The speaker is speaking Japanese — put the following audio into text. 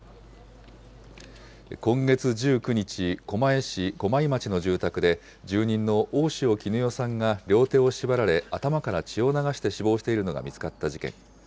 今月１９日、狛江市駒井町の住宅で、住人の大塩衣與さんが両手を縛られ、頭から血を流して死亡しているのが見つかった事件。